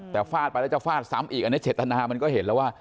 แต่ฟาดไปแล้วจะฟาดซ้ำอีกอันนี้เจตนามันก็เห็นแล้วว่า